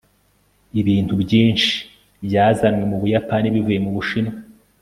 ibintu byinshi byazanwe mubuyapani bivuye mubushinwa